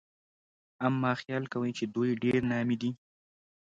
اما خيال کوي چې دوی ډېرې نامي دي